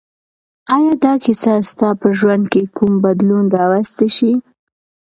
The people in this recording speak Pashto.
آیا دا کیسه ستا په ژوند کې کوم بدلون راوستی شي؟